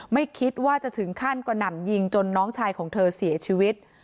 ไม่คิดว่าจะถึงขั้นกระหน่ำยิงจนน้องชายของเธอเสียชีวิต